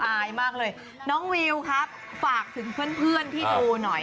อายมากเลยน้องวิวครับฝากถึงเพื่อนที่ดูหน่อย